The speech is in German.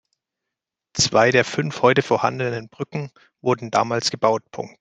Zwei der fünf heute vorhandenen Brücken wurden damals gebaut.